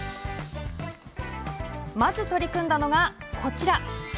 まず取り組んだのが、こちら。